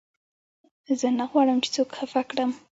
زه نه غواړم، چي څوک خفه کړم.